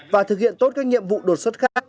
và thực hiện tốt các nhiệm vụ đột xuất khác